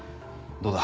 どうだ？